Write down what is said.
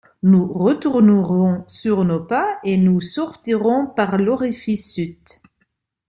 Nous retournerons sur nos pas, et nous sortirons par l’orifice sud.